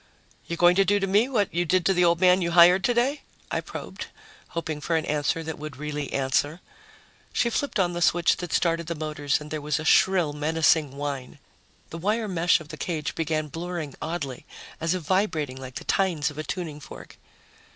"You're going to do to me what you did to the old man you hired today?" I probed, hoping for an answer that would really answer. She flipped on the switch that started the motors and there was a shrill, menacing whine. The wire mesh of the cage began blurring oddly, as if vibrating like the tines of a tuning fork.